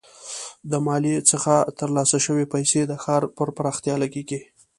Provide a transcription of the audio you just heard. د مالیې څخه ترلاسه شوي پیسې د ښار پر پراختیا لګیږي.